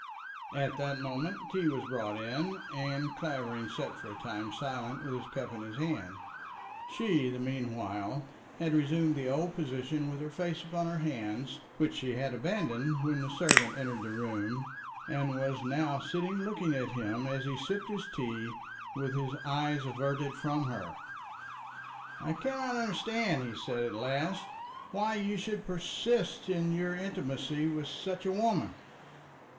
At this moment tea was brought in, and Clavering sat for a time silent with his cup in his hand. She, the meanwhile, had resumed the old position with her face upon her hands, which she had abandoned when the servant entered the room, and was now sitting looking at him as he sipped his tea with his eyes averted from her. "I cannot understand," at last he said, "why you should persist in your intimacy with such a woman."